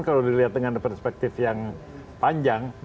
kalau dilihat dengan perspektif yang panjang